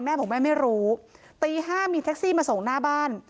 แม่บอกแม่ไม่รู้ตี๕มีแท็กซี่มาส่งหน้าบ้าน